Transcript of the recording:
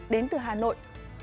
đến từ hà nội